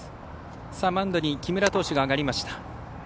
マウンドに木村投手が上がりました。